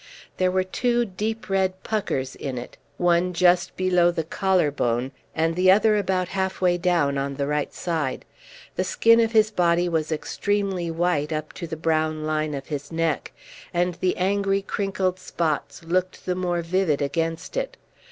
There were two deep red puckers in it, one just below the collar bone, and the other about half way down on the right side. The skin of his body was extremely white up to the brown line of his neck, and the angry crinkled spots looked the more vivid against it.